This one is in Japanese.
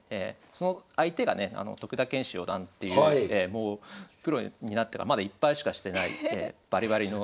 その相手がね徳田拳士四段っていうプロになってからまだ１敗しかしてないバリバリの。